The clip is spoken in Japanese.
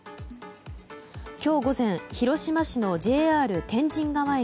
今日午前、広島市のＪＲ天神川駅